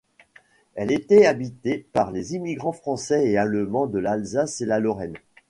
Elle était habitée par des immigrants français et allemands de l'Alsace et la Lorraine.